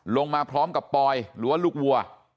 ลงมาพร้อมกับปอยหรือว่าลูกวัว